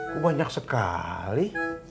kok banyak sekali